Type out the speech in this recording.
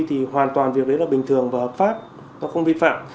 thì hoàn toàn việc đấy là bình thường và hợp pháp nó không vi phạm